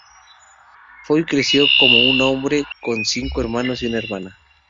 Foy creció como un hombre, con cinco hermanos y una hermana.